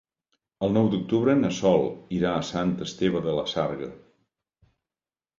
El nou d'octubre na Sol irà a Sant Esteve de la Sarga.